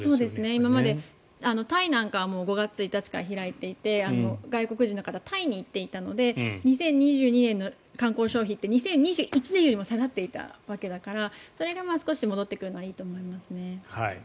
今までタイなんかは５月１日から開いていて、外国人の方タイに行っていたので２０２１年の観光消費って２０２２年より下がっていたわけだからそれが少し戻ってくるのはいいと思いますね。